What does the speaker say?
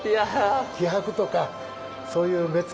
気迫とかそういう目付